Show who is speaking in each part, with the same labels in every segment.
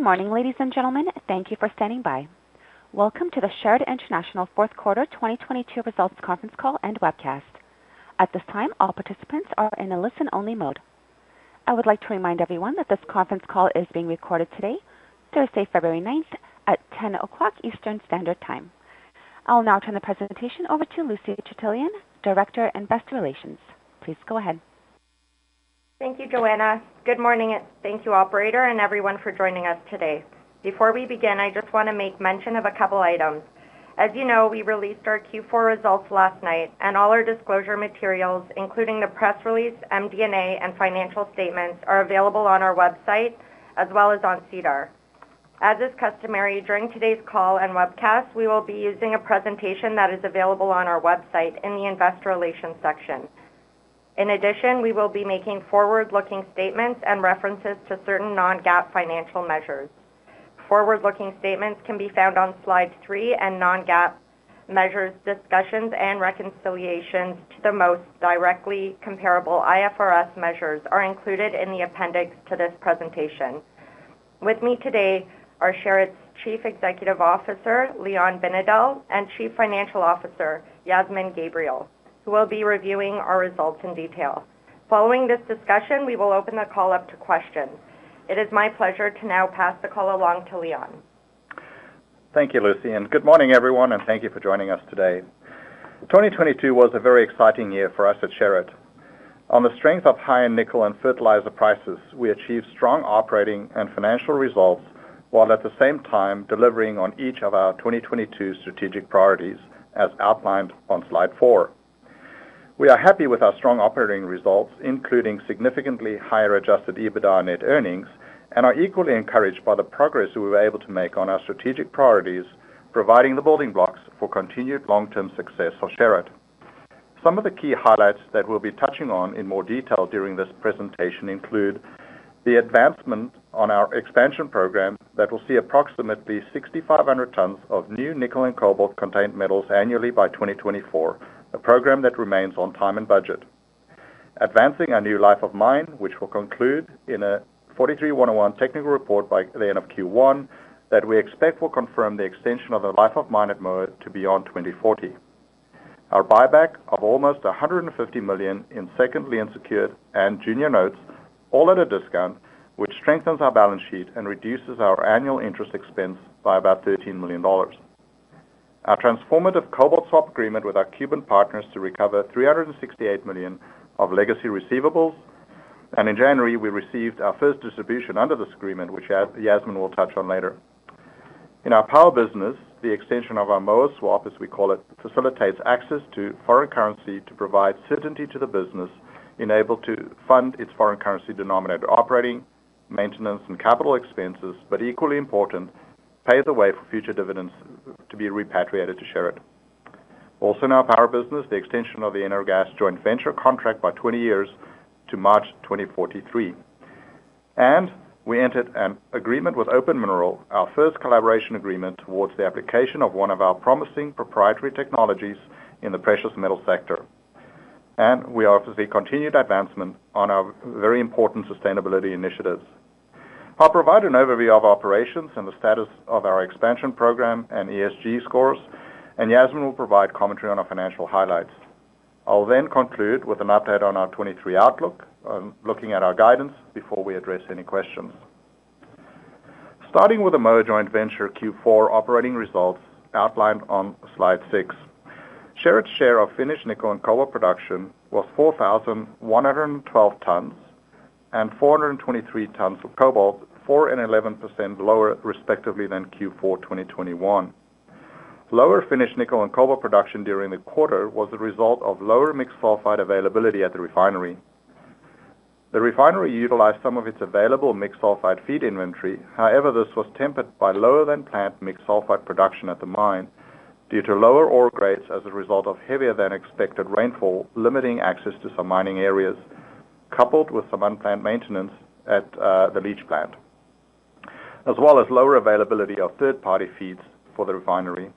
Speaker 1: Good morning, ladies and gentlemen. Thank you for standing by. Welcome to the Sherritt International Fourth Quarter 2022 Results Conference Call and Webcast. At this time, all participants are in a listen-only mode. I would like to remind everyone that this conference call is being recorded today, Thursday, February 9, at 10:00 A.M. Eastern Standard Time. I'll now turn the presentation over to Lucy Chitilian, Director, Investor Relations. Please go ahead.
Speaker 2: Thank you, Joanna. Good morning, and thank you, operator and everyone for joining us today. Before we begin, I just want to make mention of a couple items. As you know, we released our Q4 results last night, and all our disclosure materials, including the press release, MD&A, and financial statements, are available on our website as well as on SEDAR. As is customary, during today's call and webcast, we will be using a presentation that is available on our website in the Investor Relations section. In addition, we will be making forward-looking statements and references to certain non-GAAP financial measures. Forward-looking statements can be found on Slide 3 and non-GAAP measures discussions and reconciliations to the most directly comparable IFRS measures are included in the appendix to this presentation. With me today are Sherritt's Chief Executive Officer, Leon Binedell, and Chief Financial Officer, Yasmin Gabriel, who will be reviewing our results in detail. Following this discussion, we will open the call up to questions. It is my pleasure to now pass the call along to Leon.
Speaker 3: Thank you, Lucy, and good morning, everyone, and thank you for joining us today. 2022 was a very exciting year for us at Sherritt. On the strength of high nickel and fertilizer prices, we achieved strong operating and financial results, while at the same time delivering on each of our 2022 strategic priorities as outlined on Slide 4. We are happy with our strong operating results, including significantly higher Adjusted EBITDA and net earnings, and are equally encouraged by the progress we were able to make on our strategic priorities, providing the building blocks for continued long-term success for Sherritt. Some of the key highlights that we'll be touching on in more detail during this presentation include the advancement on our expansion program that will see approximately 6,500 tons of new nickel and cobalt contained metals annually by 2024, a program that remains on time and budget. Advancing our new Life of Mine, which will conclude in a NI 43-101 technical report by the end of Q1 that we expect will confirm the extension of the Life of Mine at Moa to beyond 2040. Our buyback of almost $150 million in Second Lien Notes and Junior Notes, all at a discount, which strengthens our balance sheet and reduces our annual interest expense by about $13 million. Our transformative Cobalt Swap agreement with our Cuban partners to recover $368 million of legacy receivables. In January, we received our first distribution under this agreement, which Yasmin will touch on later. In our power business, the extension of our Moa Swap, as we call it, facilitates access to foreign currency to provide certainty to the business enabled to fund its foreign currency denominator operating, maintenance, and capital expenses, but equally important, paves the way for future dividends to be repatriated to Sherritt. Also in our power business, the extension of the Energas joint venture contract by 20 years to March 2043. We entered an agreement with Open Mineral, our first collaboration agreement towards the application of one of our promising proprietary technologies in the precious metal sector. We obviously continued advancement on our very important sustainability initiatives. I'll provide an overview of operations and the status of our expansion program and ESG scores, and Yasmin will provide commentary on our financial highlights. I'll then conclude with an update on our 23 outlook, looking at our guidance before we address any questions. Starting with the Moa Joint Venture Q4 operating results outlined on Slide 6. Sherritt's share of finished nickel and cobalt production was 4,112 tons and 423 tons of cobalt, 4% and 11% lower respectively than Q4 2021. Lower finished nickel and cobalt production during the quarter was the result of lower mixed sulphides availability at the refinery. The refinery utilized some of its available mixed sulphides feed inventory. However, this was tempered by lower-than-planned mixed sulphides production at the mine due to lower ore grades as a result of heavier-than-expected rainfall, limiting access to some mining areas, coupled with some unplanned maintenance at the leach plant, as well as lower availability of third-party feeds for the refinery.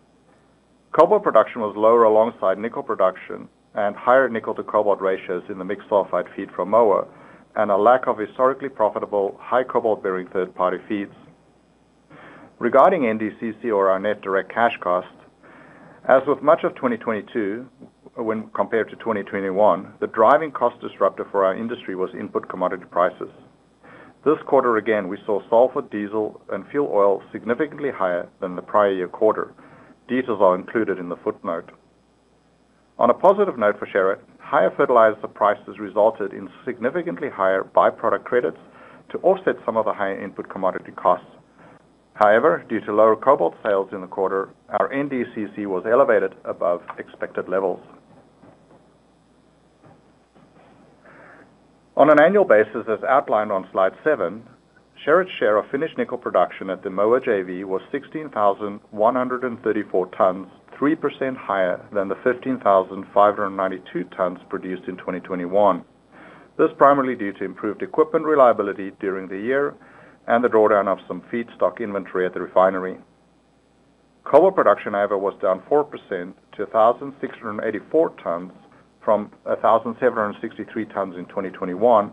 Speaker 3: Cobalt production was lower alongside nickel production and higher nickel-to-cobalt ratios in the mixed sulphides feed from Moa and a lack of historically profitable high cobalt-bearing third-party feeds. Regarding NDCC or our net direct cash cost, as with much of 2022 when compared to 2021, the driving cost disruptor for our industry was input commodity prices. This quarter, again, we saw sulfur, diesel, and fuel oil significantly higher than the prior year quarter. Details are included in the footnote. On a positive note for Sherritt, higher fertilizer prices resulted in significantly higher byproduct credits to offset some of the higher input commodity costs. Due to lower cobalt sales in the quarter, our NDCC was elevated above expected levels. On an annual basis, as outlined on Slide 7, Sherritt's share of finished nickel production at the Moa JV was 16,134 tons, 3% higher than the 15,592 tons produced in 2021. This primarily due to improved equipment reliability during the year and the drawdown of some feedstock inventory at the refinery. Cobalt production, however, was down 4% to 1,684 tons from 1,763 tons in 2021,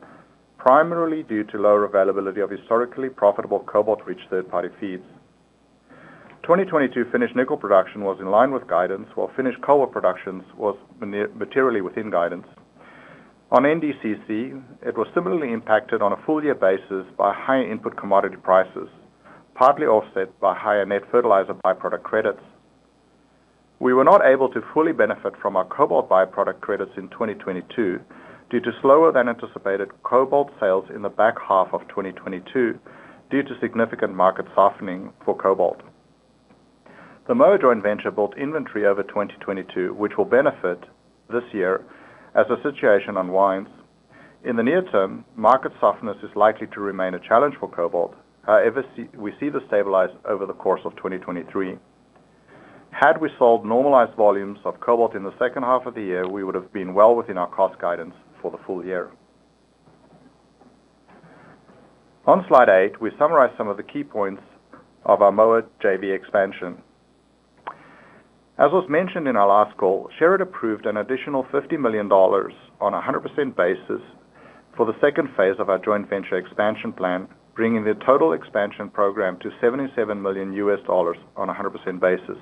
Speaker 3: primarily due to lower availability of historically profitable cobalt-rich third-party feeds. 2022 finished nickel production was in line with guidance, while finished cobalt productions was materially within guidance. NDCC, it was similarly impacted on a full year basis by higher input commodity prices, partly offset by higher net fertilizer byproduct credits. We were not able to fully benefit from our cobalt byproduct credits in 2022 due to slower than anticipated cobalt sales in the back half of 2022 due to significant market softening for cobalt. The Moa Joint Venture built inventory over 2022, which will benefit this year as the situation unwinds. In the near term, market softness is likely to remain a challenge for cobalt. However, we see this stabilize over the course of 2023. Had we sold normalized volumes of cobalt in the second half of the year, we would have been well within our cost guidance for the full year. On Slide 8, we summarize some of the key points of our Moa JV expansion. As was mentioned in our last call, Sherritt approved an additional $50 million on a 100% basis for the second phase of our joint venture expansion plan, bringing the total expansion program to $77 million on a 100% basis.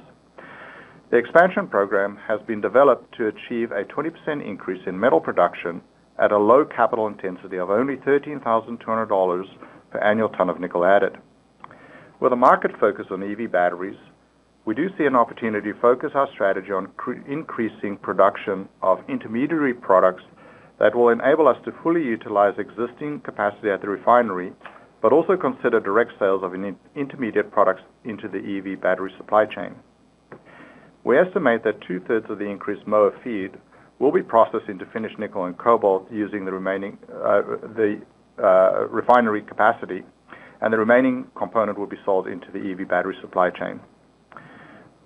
Speaker 3: The expansion program has been developed to achieve a 20% increase in metal production at a low capital intensity of only $13,200 per annual ton of nickel added. With the market focus on EV batteries, we do see an opportunity to focus our strategy on increasing production of intermediate products that will enable us to fully utilize existing capacity at the refinery, but also consider direct sales of intermediate products into the EV battery supply chain. We estimate that two-thirds of the increased Moa feed will be processed into finished nickel and cobalt using the remaining, the refinery capacity, and the remaining component will be sold into the EV battery supply chain.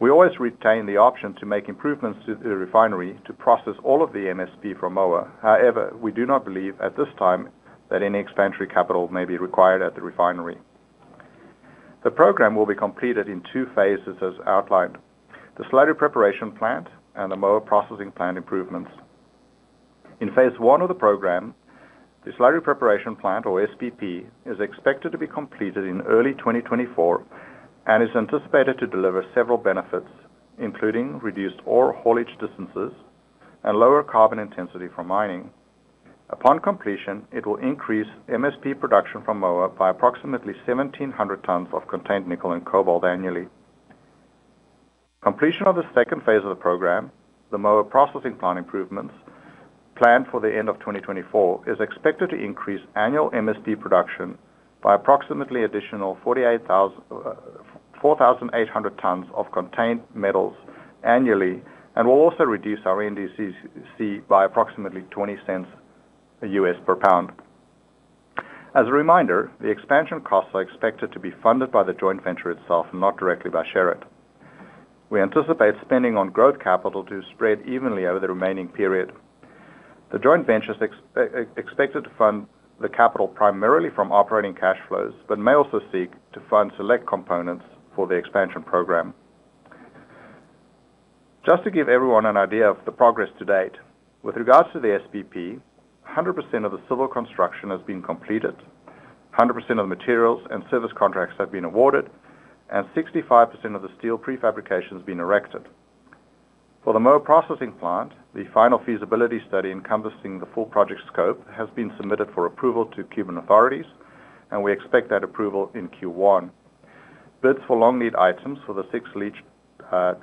Speaker 3: We always retain the option to make improvements to the refinery to process all of the MSP from Moa. However, we do not believe at this time that any expansion capital may be required at the refinery. The program will be completed in two phases as outlined: the Slurry Preparation Plant and the Moa processing plant improvements. In phase one of the program, the Slurry Preparation Plant, or SPP, is expected to be completed in early 2024 and is anticipated to deliver several benefits, including reduced ore haulage distances and lower carbon intensity from mining. Upon completion, it will increase MSP production from Moa by approximately 1,700 tons of contained nickel and cobalt annually. Completion of the second phase of the program, the Moa processing plant improvements planned for the end of 2024, is expected to increase annual MSP production by approximately additional 4,800 tons of contained metals annually and will also reduce our NDCC by approximately $0.20 per pound. As a reminder, the expansion costs are expected to be funded by the joint venture itself and not directly by Sherritt. We anticipate spending on growth capital to spread evenly over the remaining period. The joint venture is expected to fund the capital primarily from operating cash flows, but may also seek to fund select components for the expansion program. Just to give everyone an idea of the progress to date. With regards to the SPP, 100% of the civil construction has been completed, 100% of the materials and service contracts have been awarded, and 65% of the steel prefabrication has been erected. For the Moa processing plant, the final feasibility study encompassing the full project scope has been submitted for approval to Cuban authorities, and we expect that approval in Q1. Bids for long lead items for the sixth leach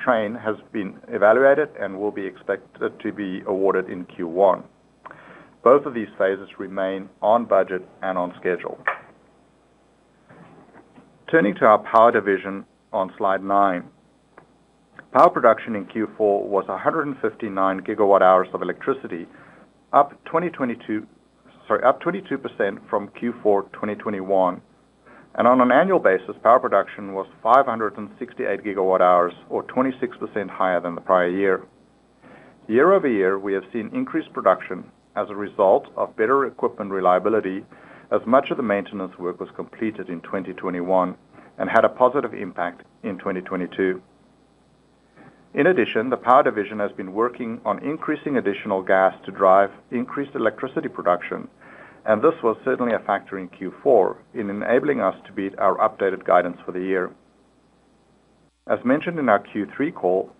Speaker 3: train has been evaluated and will be expected to be awarded in Q1. Both of these phases remain on budget and on schedule. Turning to our power division on Slide 9. Power production in Q4 was 159 gigawatt hours of electricity, sorry, up 22% from Q4 2021. On an annual basis, power production was 568 gigawatt hours or 26% higher than the prior year. Year-over-year, we have seen increased production as a result of better equipment reliability, as much of the maintenance work was completed in 2021 and had a positive impact in 2022. In addition, the power division has been working on increasing additional gas to drive increased electricity production, and this was certainly a factor in Q4 in enabling us to beat our updated guidance for the year. As mentioned in our Q3 call,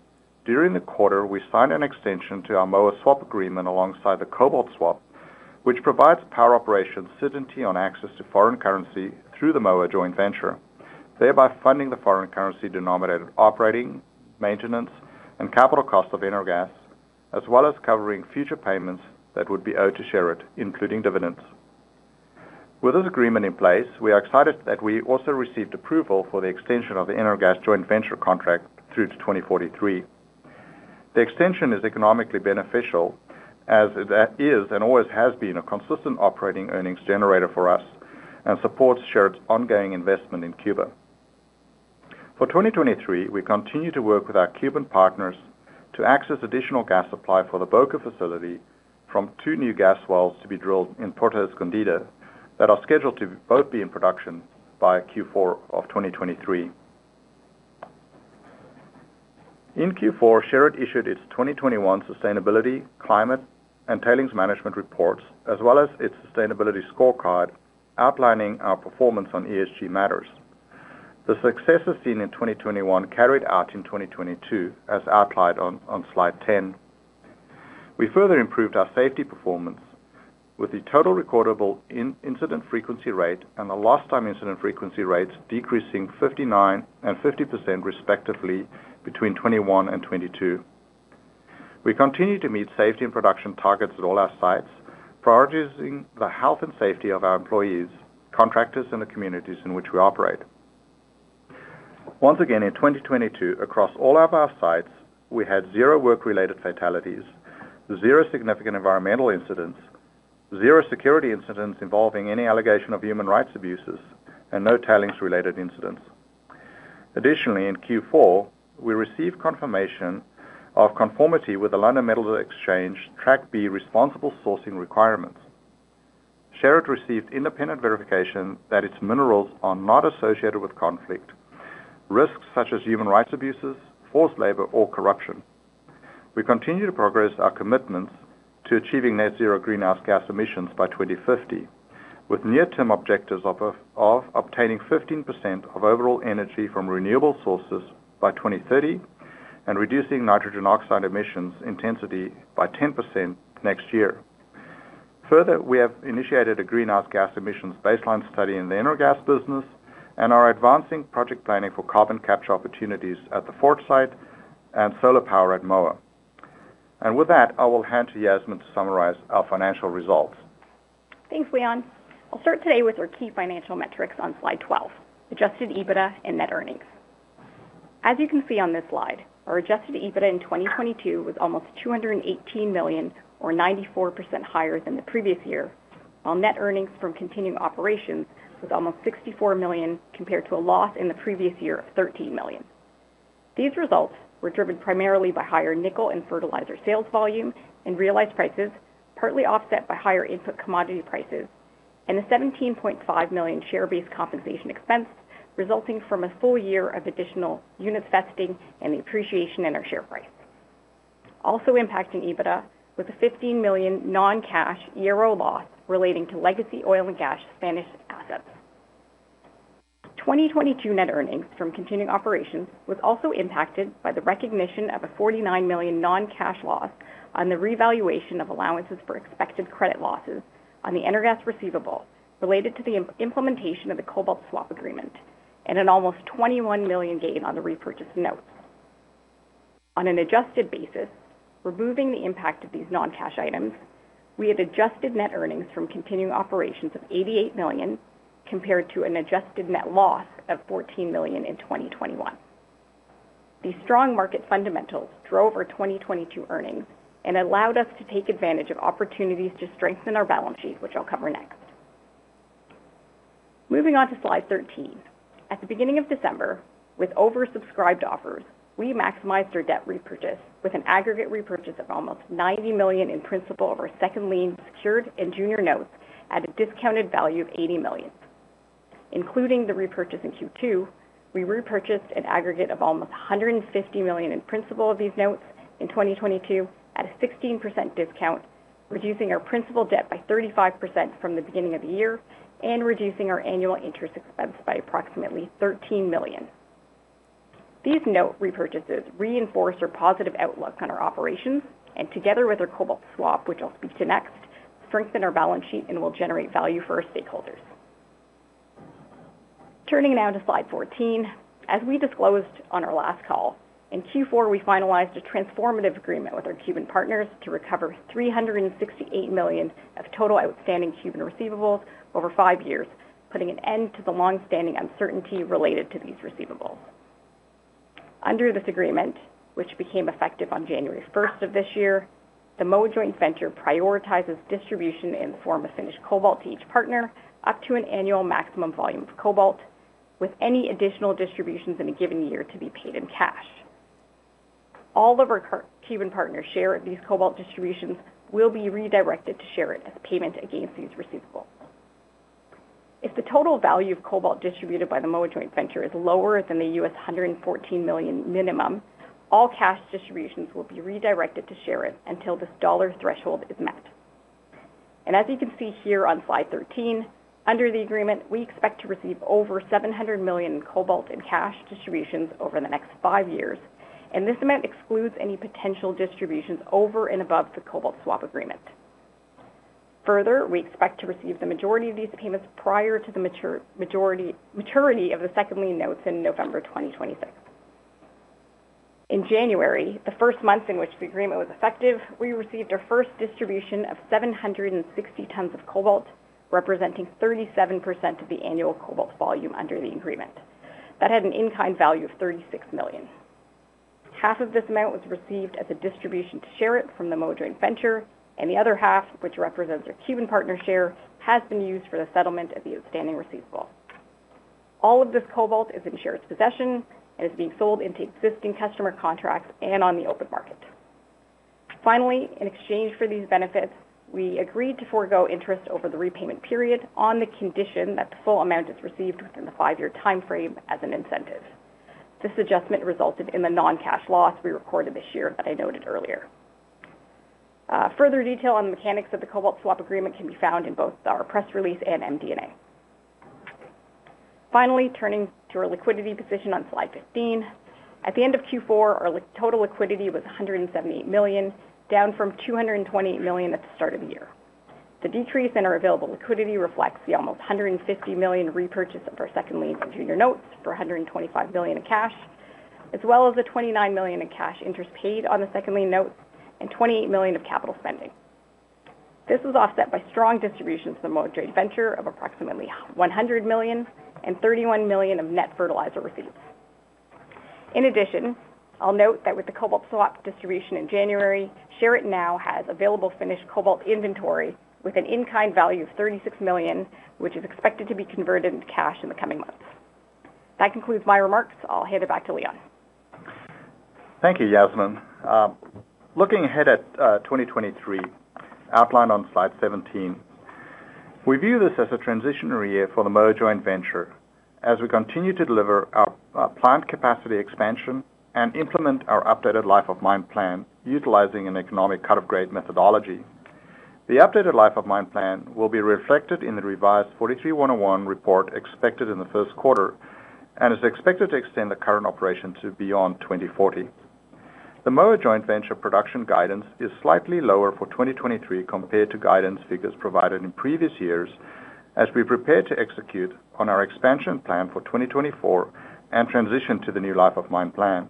Speaker 3: during the quarter, we signed an extension to our Moa Swap agreement alongside the Cobalt Swap, which provides power operations certainty on access to foreign currency through the Moa Joint Venture, thereby funding the foreign currency denominated operating, maintenance, and capital costs of Energas, as well as covering future payments that would be owed to Sherritt, including dividends. With this agreement in place, we are excited that we also received approval for the extension of the Energas joint venture contract through to 2043. The extension is economically beneficial as that is and always has been a consistent operating earnings generator for us and supports Sherritt's ongoing investment in Cuba. For 2023, we continue to work with our Cuban partners to access additional gas supply for the Boca facility from 2 new gas wells to be drilled in Puerto Escondido that are scheduled to both be in production by Q4 of 2023. In Q4, Sherritt issued its 2021 Sustainability, Climate, and Tailings Management Reports, as well as its Sustainability Scorecard outlining our performance on ESG matters. The successes seen in 2021 carried out in 2022 as outlined on Slide 10. We further improved our safety performance with the Total Recordable Incident Frequency Rate and the Lost Time Incident Frequency Rates decreasing 59% and 50% respectively between 2021 and 2022. We continue to meet safety and production targets at all our sites, prioritizing the health and safety of our employees, contractors, and the communities in which we operate. Once again, in 2022, across all of our sites, we had zero work-related fatalities, zero significant environmental incidents, zero security incidents involving any allegation of human rights abuses, and no tailings-related incidents. In Q4, we received confirmation of conformity with the London Metal Exchange Track B responsible sourcing requirements. Sherritt received independent verification that its minerals are not associated with conflict, risks such as human rights abuses, forced labor, or corruption. We continue to progress our commitments to achieving net zero greenhouse gas emissions by 2050, with near-term objectives of obtaining 15% of overall energy from renewable sources by 2030 and reducing nitrogen oxide emissions intensity by 10% next year. We have initiated a greenhouse gas emissions baseline study in the Energas business and are advancing project planning for carbon capture opportunities at the Fort site and solar power at Moa. With that, I will hand to Yasmin to summarize our financial results.
Speaker 4: Thanks, Leon. I'll start today with our key financial metrics on Slide 12, Adjusted EBITDA and net earnings. As you can see on this Slide, our Adjusted EBITDA in 2022 was almost $218 million or 94% higher than the previous year, while net earnings from continuing operations was almost $64 million compared to a loss in the previous year of $13 million. These results were driven primarily by higher nickel and fertilizer sales volume and realized prices, partly offset by higher input commodity prices and a $17.5 million share-based compensation expense resulting from a full year of additional unit vesting and the appreciation in our share price. Also impacting EBITDA was a $15 million non-cash ARO loss relating to legacy Oil and Gas Spanish assets. 2022 net earnings from continuing operations was also impacted by the recognition of a $49 million non-cash loss on the revaluation of allowances for expected credit losses on the Energas receivable related to the implementation of the Cobalt Swap agreement and an almost $21 million gain on the repurchased notes. On an adjusted basis, removing the impact of these non-cash items, we had adjusted net earnings from continuing operations of $88 million compared to an adjusted net loss of $14 million in 2021. These strong market fundamentals drove our 2022 earnings and allowed us to take advantage of opportunities to strengthen our balance sheet, which I'll cover next. Moving on to Slide 13. At the beginning of December, with oversubscribed offers, we maximized our debt repurchase with an aggregate repurchase of almost $90 million in principal of our Second Lien Secured and Junior Notes at a discounted value of $80 million. Including the repurchase in Q2, we repurchased an aggregate of almost $150 million in principal of these notes in 2022 at a 16% discount, reducing our principal debt by 35% from the beginning of the year and reducing our annual interest expense by approximately $13 million. These note repurchases reinforce our positive outlook on our operations, and together with our Cobalt Swap, which I'll speak to next, strengthen our balance sheet and will generate value for our stakeholders. Turning now to Slide 14. As we disclosed on our last call, in Q4, we finalized a transformative agreement with our Cuban partners to recover $368 million of total outstanding Cuban receivables over five years, putting an end to the long-standing uncertainty related to these receivables. Under this agreement, which became effective on January first of this year, the Moa Joint Venture prioritizes distribution in the form of finished cobalt to each partner up to an annual maximum volume of cobalt, with any additional distributions in a given year to be paid in cash. All of our Cuban partners' share of these cobalt distributions will be redirected to Sherritt as payment against these receivables. If the total value of cobalt distributed by the Moa Joint Venture is lower than the US $114 million minimum, all cash distributions will be redirected to Sherritt until this dollar threshold is met. As you can see here on Slide 13, under the agreement, we expect to receive over $700 million in cobalt and cash distributions over the next 5 years, and this amount excludes any potential distributions over and above the Cobalt Swap agreement. Further, we expect to receive the majority of these payments prior to the maturity of the Second Lien Notes in November 2026. In January, the first month in which the agreement was effective, we received our first distribution of 760 tons of cobalt, representing 37% of the annual cobalt volume under the agreement. That had an in-kind value of $36 million. Half of this amount was received as a distribution to Sherritt from the Moa Joint Venture. The other half, which represents our Cuban partner share, has been used for the settlement of the outstanding receivable. All of this cobalt is in Sherritt's possession and is being sold into existing customer contracts and on the open market. Finally, in exchange for these benefits, we agreed to forego interest over the repayment period on the condition that the full amount is received within the 5-year timeframe as an incentive. This adjustment resulted in the non-cash loss we recorded this year that I noted earlier. Further detail on the mechanics of the Cobalt Swap agreement can be found in both our press release and MD&A. Finally, turning to our liquidity position on Slide 15. At the end of Q4, our total liquidity was $178 million, down from $228 million at the start of the year. The decrease in our available liquidity reflects the almost $150 million repurchase of our second lien Junior Notes for $125 million in cash, as well as the $29 million in cash interest paid on the Second Lien Notes and $28 million of capital spending. This was offset by strong distributions from Moa Joint Venture of approximately $100 million and $31 million of net fertilizer receipts. In addition, I'll note that with the Cobalt Swap distribution in January, Sherritt now has available finished cobalt inventory with an in-kind value of $36 million, which is expected to be converted into cash in the coming months. That concludes my remarks. I'll hand it back to Leon.
Speaker 3: Thank you, Yasmin. Looking ahead at 2023, outlined on Slide 17. We view this as a transitionary year for the Moa Joint Venture as we continue to deliver our plant capacity expansion and implement our updated Life of Mine plan utilizing an economic cut-off grade methodology. The updated Life of Mine plan will be reflected in the revised NI 43-101 report expected in the first quarter and is expected to extend the current operation to beyond 2040. The Moa Joint Venture production guidance is slightly lower for 2023 compared to guidance figures provided in previous years as we prepare to execute on our expansion plan for 2024 and transition to the new Life of Mine plan.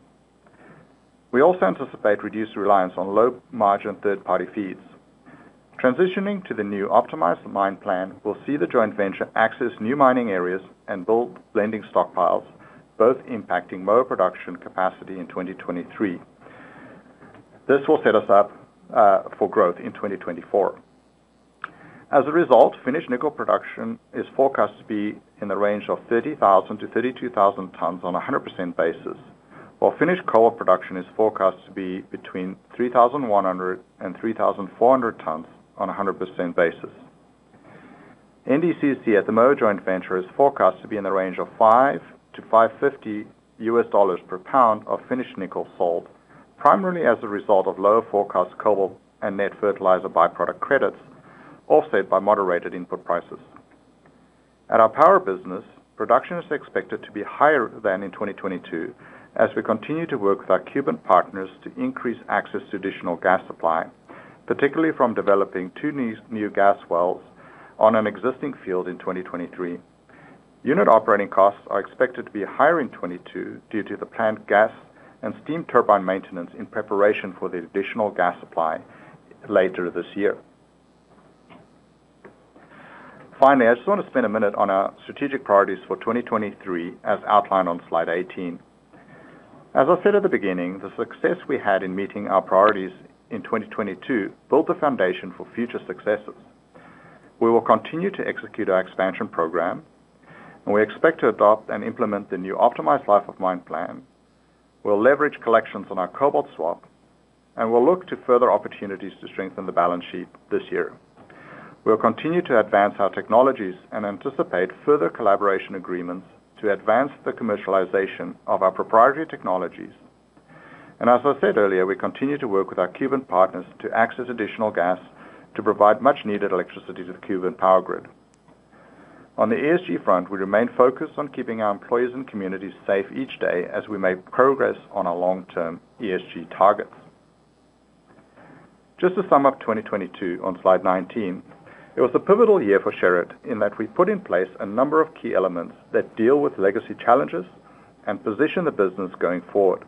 Speaker 3: We also anticipate reduced reliance on low-margin third-party feeds. Transitioning to the new optimized mine plan will see the joint venture access new mining areas and build blending stockpiles, both impacting Moa production capacity in 2023. This will set us up for growth in 2024. As a result, finished nickel production is forecast to be in the range of 30,000-32,000 tons on a 100% basis, while finished cobalt production is forecast to be between 3,100 and 3,400 tons on a 100% basis. NDCC at the Moa Joint Venture is forecast to be in the range of $5.00-$5.50 per pound of finished nickel sold primarily as a result of lower forecast cobalt and net fertilizer byproduct credits, offset by moderated input prices. At our power business, production is expected to be higher than in 2022 as we continue to work with our Cuban partners to increase access to additional gas supply, particularly from developing two new gas wells on an existing field in 2023. Unit operating costs are expected to be higher in 2022 due to the planned gas and steam turbine maintenance in preparation for the additional gas supply later this year. Finally, I just want to spend a minute on our strategic priorities for 2023 as outlined on Slide 18. As I said at the beginning, the success we had in meeting our priorities in 2022 built the foundation for future successes. We will continue to execute our expansion program, and we expect to adopt and implement the new optimized Life of Mine plan. We'll leverage collections on our Cobalt Swap. We'll look to further opportunities to strengthen the balance sheet this year. We'll continue to advance our technologies and anticipate further collaboration agreements to advance the commercialization of our proprietary technologies. As I said earlier, we continue to work with our Cuban partners to access additional gas to provide much needed electricity to the Cuban power grid. On the ESG front, we remain focused on keeping our employees and communities safe each day as we make progress on our long-term ESG targets. Just to sum up 2022 on Slide 19, it was a pivotal year for Sherritt in that we put in place a number of key elements that deal with legacy challenges and position the business going forward.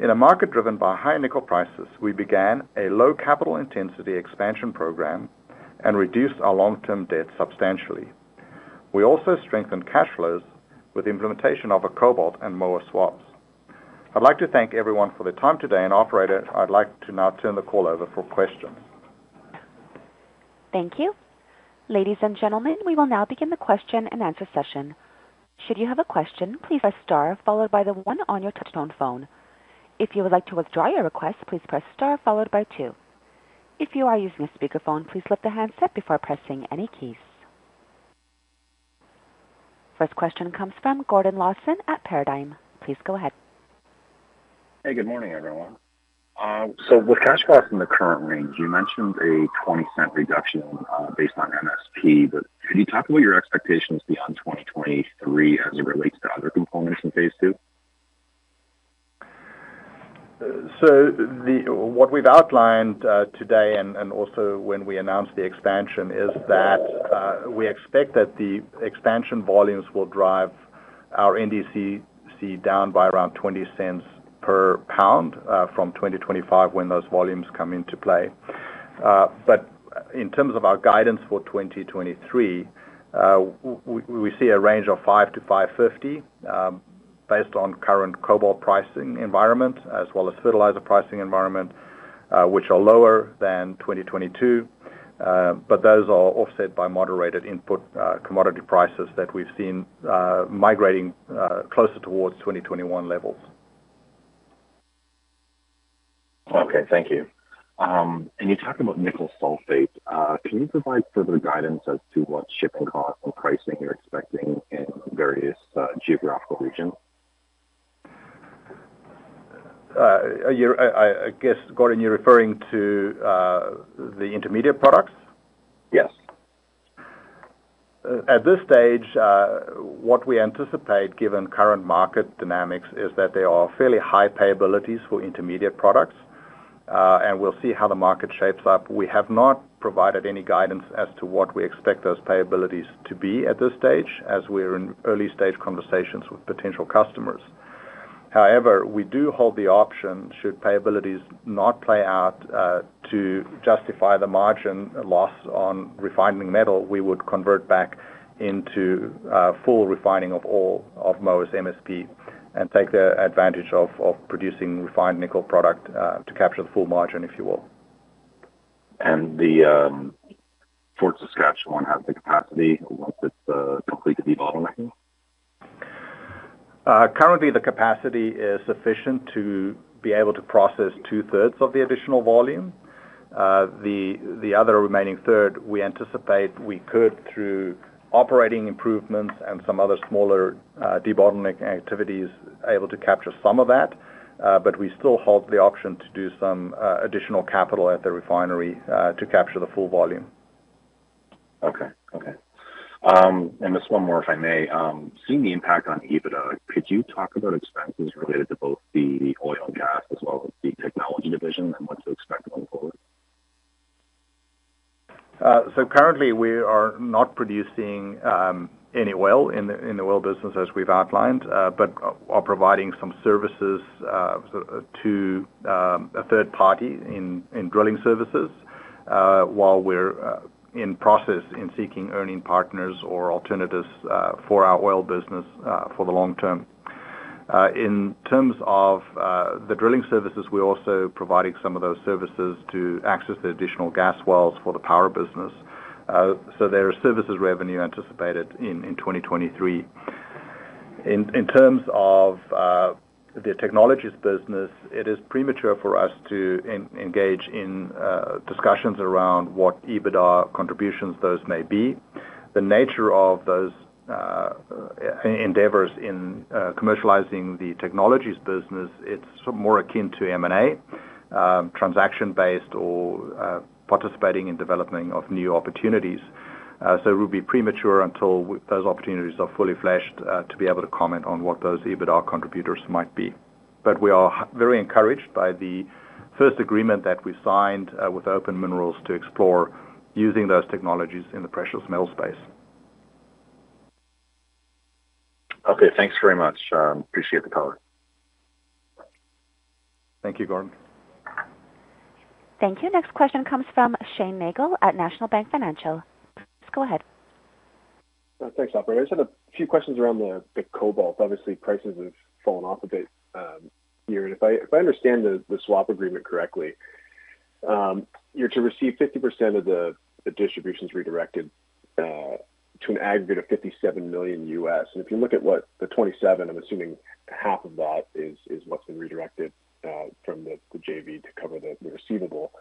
Speaker 3: In a market driven by high nickel prices, we began a low capital intensity expansion program and reduced our long-term debt substantially. We also strengthened cash flows with the implementation of a cobalt and Moa swaps. I'd like to thank everyone for their time today, and operator, I'd like to now turn the call over for questions.
Speaker 1: Thank you. Ladies and gentlemen, we will now begin the question and answer session. Should you have a question, please press star followed by the one on your touchtone phone. If you would like to withdraw your request, please press star followed by two. If you are using a speakerphone, please lift the handset before pressing any keys. First question comes from Gordon Lawson at Paradigm. Please go ahead.
Speaker 5: Hey, good morning, everyone. With cash costs in the current range, you mentioned a $0.20 reduction, based on MSP, can you talk about your expectations beyond 2023 as it relates to other components in phase two?
Speaker 3: What we've outlined today and also when we announced the expansion is that we expect that the expansion volumes will drive our NDCC down by around $0.20 per pound from 2025 when those volumes come into play. In terms of our guidance for 2023, we see a range of $5.00-$5.50 based on current cobalt pricing environment as well as fertilizer pricing environment, which are lower than 2022. Those are offset by moderated input commodity prices that we've seen migrating closer towards 2021 levels.
Speaker 5: Okay. Thank you. You talked about nickel sulfate. Can you provide further guidance as to what shipping costs and pricing you're expecting in various geographical regions?
Speaker 3: I guess, Gordon Lawson, you're referring to the intermediate products?
Speaker 5: Yes.
Speaker 3: At this stage, what we anticipate, given current market dynamics, is that there are fairly high payabilities for intermediate products, and we'll see how the market shapes up. We have not provided any guidance as to what we expect those payabilities to be at this stage as we're in early-stage conversations with potential customers. However, we do hold the option, should payabilities not play out, to justify the margin loss on refining metal, we would convert back into full refining of ore, of MoS, MSP, and take the advantage of producing refined nickel product, to capture the full margin, if you will.
Speaker 5: The Fort Saskatchewan has the capacity once it's complete debottlenecking?
Speaker 3: Currently, the capacity is sufficient to be able to process two-thirds of the additional volume. The other remaining third, we anticipate we could, through operating improvements and some other smaller, debottlenecking activities, able to capture some of that. We still hold the option to do some additional capital at the refinery, to capture the full volume.
Speaker 5: Okay. Okay. Just one more, if I may. Seeing the impact on EBITDA, could you talk about expenses related to both the oil and gas as well as the technology division and what to expect going forward?
Speaker 3: Currently, we are not producing any oil in the oil business as we've outlined, but are providing some services, sort of to a third party in drilling services, while we're in process in seeking earning partners or alternatives for our oil business for the long term. In terms of the drilling services, we're also providing some of those services to access the additional gas wells for the power business. There are services revenue anticipated in 2023. In terms of the technologies business, it is premature for us to engage in discussions around what EBITDA contributions those may be. The nature of those endeavors in commercializing the technologies business, it's more akin to M&A, transaction-based or participating in developing of new opportunities. It would be premature until those opportunities are fully fleshed to be able to comment on what those EBITDA contributors might be. We are very encouraged by the first agreement that we signed with Open Mineral to explore using those technologies in the precious metal space.
Speaker 5: Okay. Thanks very much, Leon. Appreciate the color.
Speaker 3: Thank you, Gordon.
Speaker 1: Thank you. Next question comes from Shane Nagle at National Bank Financial. Please go ahead.
Speaker 6: Thanks, operator. I just had a few questions around the cobalt. Obviously, prices have fallen off a bit here. If I understand the Cobalt Swap agreement correctly, you're to receive 50% of the distributions redirected to an aggregate of $57 million. If you look at what the $27 million, I'm assuming half of that is what's been redirected from the Moa JV to cover the receivable.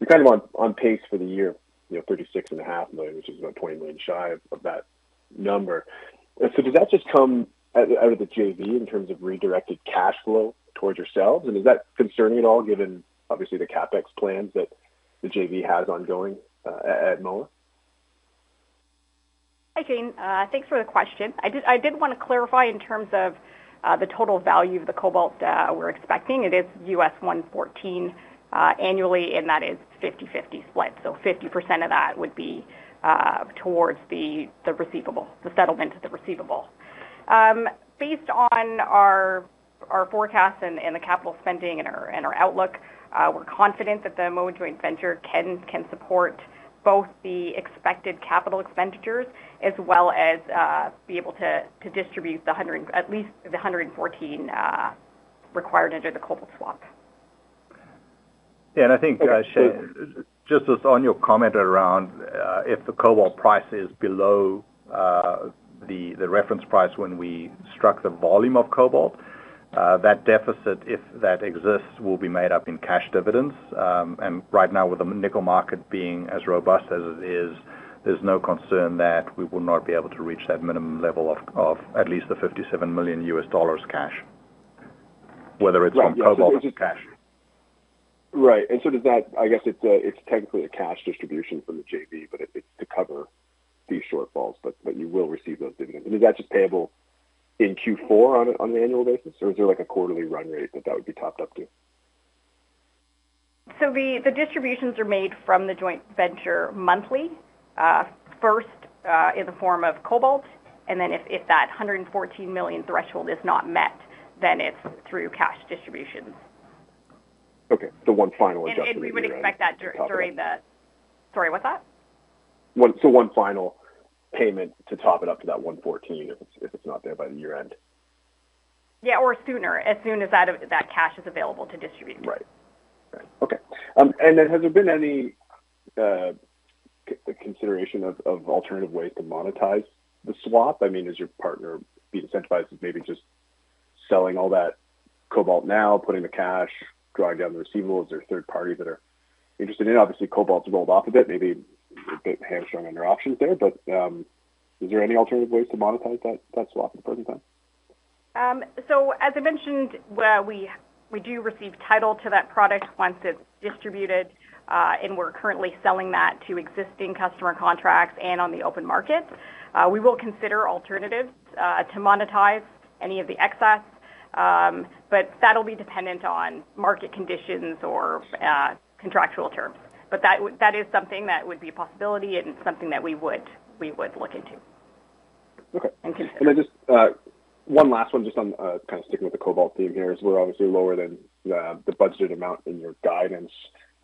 Speaker 6: You're kind of on pace for the year, you know, $36.5 million, which is about $20 million shy of that number. Does that just come out of the Moa JV in terms of redirected cash flow towards yourselves? Is that concerning at all, given obviously the CapEx plans that the Moa JV has ongoing at Moa?
Speaker 4: Hi, Shane. Thanks for the question. I did want to clarify in terms of the total value of the cobalt we're expecting. It is $114 annually, and that is 50/50 split. 50% of that would be towards the receivable, the settlement of the receivable. Based on our forecast and the capital spending and our outlook, we're confident that the Moa Joint Venture can support both the expected capital expenditures as well as be able to distribute the 100, at least the 114 required under the Cobalt Swap.
Speaker 3: Yeah. I think, Shane, just as on your comment around, if the cobalt price is below the reference price when we struck the volume of cobalt, that deficit, if that exists, will be made up in cash dividends. Right now, with the nickel market being as robust as it is, there's no concern that we will not be able to reach that minimum level of at least the $57 million US dollars cash, whether it's from cobalt or cash.
Speaker 6: Right. I guess it's technically a cash distribution from the JV, but it's to cover these shortfalls, but you will receive those dividends. Is that just payable in Q4 on an annual basis, or is there like a quarterly run rate that would be topped up to?
Speaker 4: The, the distributions are made from the joint venture monthly, first, in the form of cobalt, and then if that $114 million threshold is not met, then it's through cash distributions.
Speaker 6: Okay. one final adjustment at year-end.
Speaker 4: You would expect that. Sorry, what's that?
Speaker 6: One final payment to top it up to that $114 if it's not there by the year-end?
Speaker 4: Or sooner, as soon as that cash is available to distribute.
Speaker 6: Right. Right. Okay. Has there been any consideration of alternative ways to monetize the swap? I mean, is your partner being incentivized to maybe just selling all that cobalt now, putting the cash, drawing down the receivables? Is there a third party that are interested in? Obviously, cobalt's rolled off a bit, maybe a bit hamstrung on their options there, but, is there any alternative ways to monetize that swap at the present time?
Speaker 4: As I mentioned, where we do receive title to that product once it's distributed, and we're currently selling that to existing customer contracts and on the open market. We will consider alternatives, to monetize any of the excess, but that'll be dependent on market conditions or contractual terms. That is something that would be a possibility and something that we would look into.
Speaker 6: Okay.
Speaker 4: Okay.
Speaker 6: Just one last one just on, kind of sticking with the cobalt theme here, is we're obviously lower than the budgeted amount in your guidance.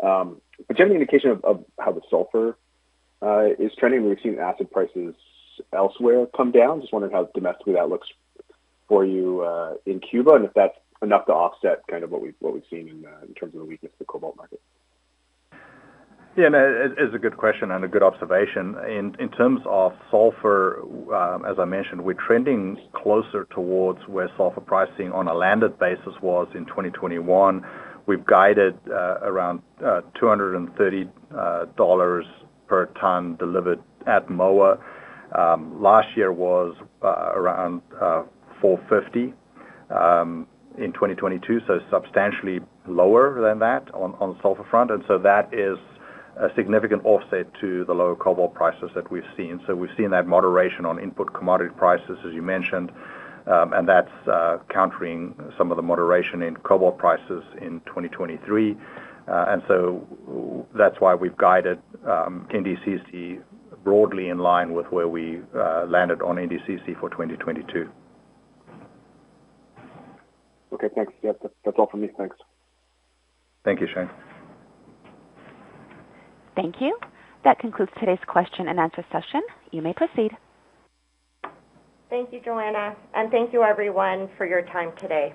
Speaker 6: Generally an indication of how the sulfur is trending. We've seen acid prices elsewhere come down. Just wondering how domestically that looks for you in Cuba, and if that's enough to offset kind of what we've, what we've seen in terms of the weakness of the cobalt market?
Speaker 3: Yeah. No, it's a good question and a good observation. In, in terms of sulfur, as I mentioned, we're trending closer towards where sulfur pricing on a landed basis was in 2021. We've guided, around $230 per ton delivered at Moa. Last year was, around $450 in 2022, so substantially lower than that on the sulfur front. That is a significant offset to the lower cobalt prices that we've seen. We've seen that moderation on input commodity prices, as you mentioned, and that's countering some of the moderation in cobalt prices in 2023. That's why we've guided, NDCC broadly in line with where we landed on NDCC for 2022.
Speaker 6: Okay, thanks. Yeah, that's all for me. Thanks.
Speaker 3: Thank you, Shane.
Speaker 1: Thank you. That concludes today's question and answer session. You may proceed.
Speaker 2: Thank you, Joanna, and thank you everyone for your time today.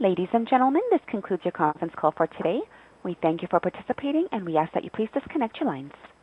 Speaker 1: Ladies and gentlemen, this concludes your conference call for today. We thank you for participating, and we ask that you please disconnect your lines.